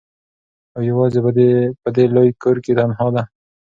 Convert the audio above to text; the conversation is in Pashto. او یوازي په دې لوی کور کي تنهاده